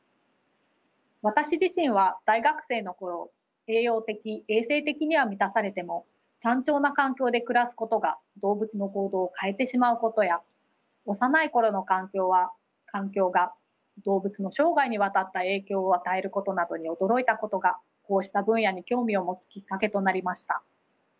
私自身は大学生のころ栄養的衛生的には満たされても単調な環境で暮らすことが動物の行動を変えてしまうことや幼いころの環境が動物の生涯にわたった影響を与えることなどに驚いたことがこうした分野に興味を持つきっかけとなりました。